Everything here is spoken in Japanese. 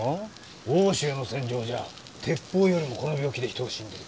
欧州の戦場じゃ鉄砲よりもこの病気で人が死んでる。